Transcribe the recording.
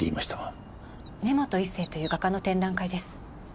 根本一成という画家の展覧会です。